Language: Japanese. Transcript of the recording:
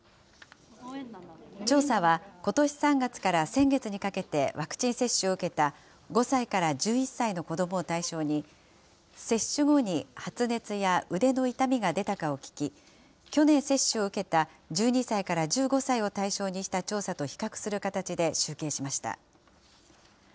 調査は、ことし３月から先月にかけてワクチン接種を受けた、５歳から１１歳の子どもを対象に、接種後に発熱や腕の痛みが出たかを聞き、去年接種を受けた１２歳から１５歳を対象にした調査と比較する形で集計しました。